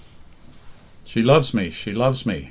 "She loves me! She loves me!